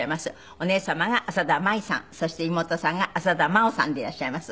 お姉様が浅田舞さんそして妹さんが浅田真央さんでいらっしゃいます。